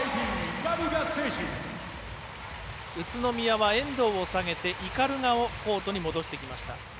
宇都宮は遠藤を下げて鵤をコートに戻してきました。